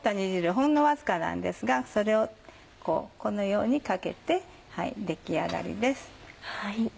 ほんのわずかなんですがそれをこのようにかけて出来上がりです。